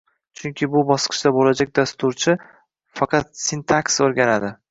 chunki bu bosqichda bo’lajak dasturchi faqat sintaks o’rganadi